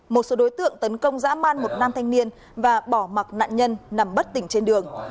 một số đối tượng tấn công dã man một nam thanh niên và bỏ mặc nạn nhân nằm bất tỉnh trên đường